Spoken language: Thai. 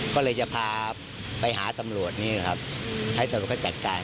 ก็เลยจะพาไปหาสำรวจนี่นะครับให้สรุปก็จัดการ